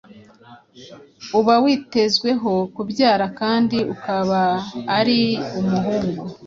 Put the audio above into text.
uba witezweho kubyara kandi akaba ari umuhungu